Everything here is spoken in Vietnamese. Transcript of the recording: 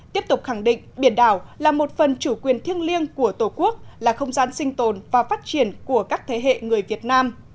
tiếp tục khẳng định biển đảo là một phần chủ quyền thiêng liêng của tổ quốc là không gian sinh tồn và phát triển của các thế hệ người việt nam